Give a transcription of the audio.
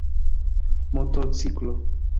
motorciklo